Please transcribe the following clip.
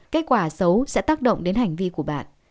kết quả xấu sẽ tác động đến hành vi của bạn